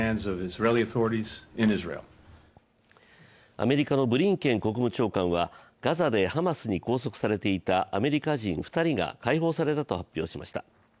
アメリカのブリンケン国務長官はガザでハマスに拘束されていたアメリカ人２人が解放されたと発表しました。